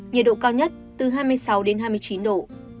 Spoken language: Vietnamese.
nhiệt độ cao nhất từ hai mươi sáu đến hai mươi chín độ